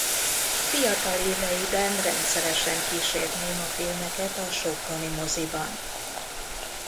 Fiatal éveiben rendszeresen kísért némafilmeket a soproni moziban.